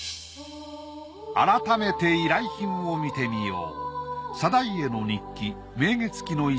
改めて依頼品を見てみよう。